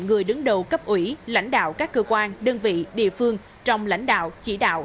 người đứng đầu cấp ủy lãnh đạo các cơ quan đơn vị địa phương trong lãnh đạo chỉ đạo